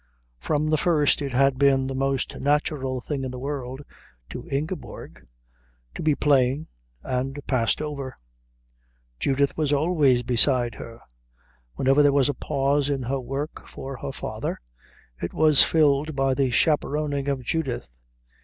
From the first it had been the most natural thing in the world to Ingeborg to be plain and passed over. Judith was always beside her. Whenever there was a pause in her work for her father it was filled by the chaperoning of Judith.